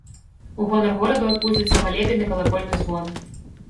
У гонар гораду адбудзецца малебен і калакольны звон.